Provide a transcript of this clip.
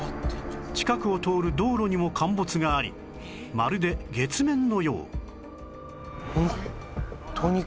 近くを通る道路にも陥没がありまるで月面のよう